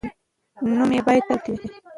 نوم یې باید تل پاتې وي.